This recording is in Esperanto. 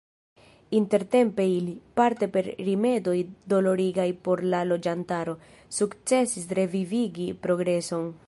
Intertempe ili – parte per rimedoj dolorigaj por la loĝantaro – sukcesis revivigi progreson.